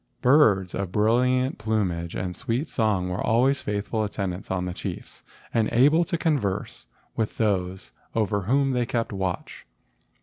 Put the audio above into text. Birds of brilliant plumage and sweet song were always faithful attendants on the chiefs, and able to converse with those over whom they kept watch.